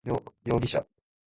容疑者